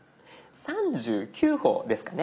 ３９歩ですかね。